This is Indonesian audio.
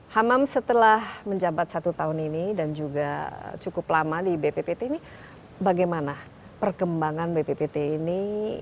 hamam setelah menjabat satu tahun ini dan juga cukup lama di bppt ini bagaimana perkembangan bppt ini